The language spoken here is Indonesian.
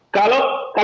pemerintah mengizinkan ya